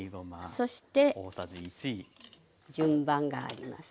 そして順番があります。